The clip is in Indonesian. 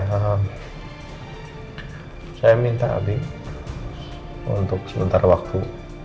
ya saya minta abi untuk sebentar waktu